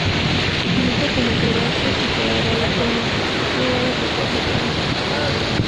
Se utiliza como contrabajo y para dar el tono, puede dar hasta cuatro tonos.